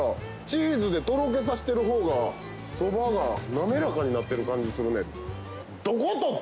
チーズでとろけさしてる方がそばが滑らかになってる感じするね。